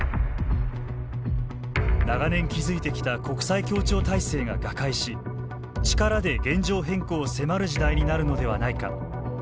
長年築いてきた国際協調体制が瓦解し力で現状変更を迫る時代になるのではないか。